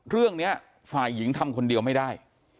เรื่องนี้ฝ่ายหญิงทำคนเดียวไม่ได้